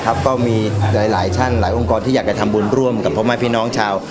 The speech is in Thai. ก็มีหลายท่านหลายองค์กรที่อยากจะทำบุญร่วมกับพ่อแม่พี่น้องชาว